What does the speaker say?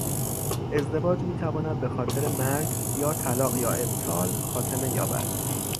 ازدواج میتواند به خاطر مرگ یا طلاق یا ابطال خاتمه یابد.